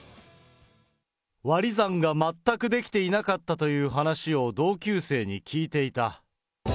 割り算が全くできていなかったという話を同級生に聞いていた。